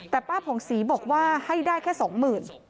แต่ป้าผ่องศรีบอกว่าให้ได้แค่สองหมื่น